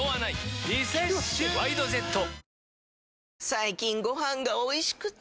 最近ご飯がおいしくて！